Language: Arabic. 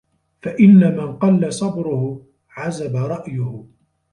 فَإِنَّ مَنْ قَلَّ صَبْرُهُ عَزَبَ رَأْيُهُ